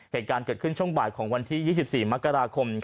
เหตุการณ์เกิดขึ้นช่วงบ่ายของวันที่๒๔มกราคม